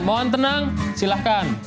semua teman tenang silahkan